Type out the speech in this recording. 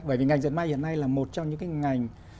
bởi vì ngành dệt may hiện nay là một trong những cái ngành